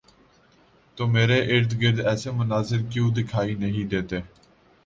تو میرے ارد گرد ایسے مناظر کیوں دکھائی نہیں دیتے؟